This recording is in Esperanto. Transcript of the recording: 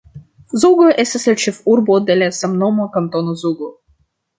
Zugo estas la ĉefurbo de la samnoma Kantono Zugo.